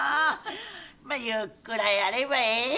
まあゆっくらやればええよ